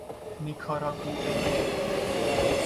نیکاراگوئه ای